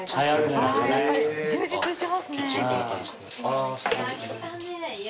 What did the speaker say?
ああやっぱり充実してますね。